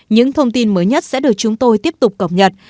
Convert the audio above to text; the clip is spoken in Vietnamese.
những thông tin mới nhất sẽ được chúng tôi tiếp tục cập nhật